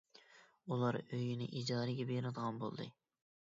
ئۇلار ئۆيىنى ئىجارىگە بېرىدىغان بولدى.